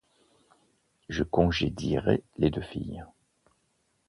Je congédierai les deux filles.